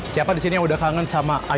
siapa di sini yang udah kangen sama ayah